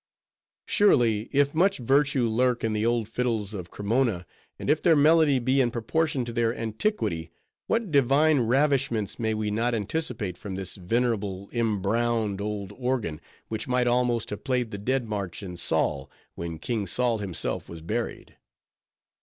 Surely, if much virtue lurk in the old fiddles of Cremona, and if their melody be in proportion to their antiquity, what divine ravishments may we not anticipate from this venerable, embrowned old organ, which might almost have played the Dead March in Saul, when King Saul himself was buried.